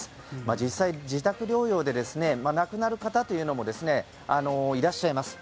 実際、自宅療養で亡くなる方というのもいらっしゃいます。